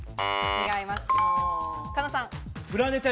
違います。